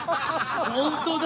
ホントだ！